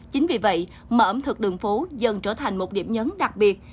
chính vì vậy mà ẩm thực đường phố dần trở thành một điểm nhấn đặc biệt